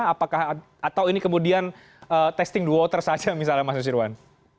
apakah atau ini kemudian testing the water saja misalnya mas nusirwan